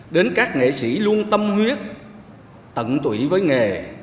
đến các nghệ sĩ luôn tâm huyết tận tụy với nghề